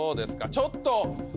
ちょっと。